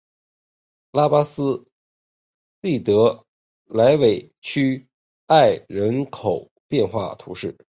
拉巴斯蒂德莱韦屈埃人口变化图示